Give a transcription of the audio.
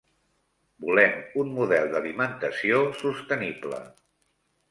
Volem un model d'alimentació sostenible.